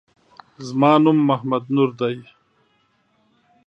زما نوم محمد نور دی